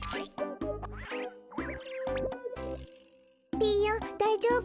ピーヨンだいじょうぶ？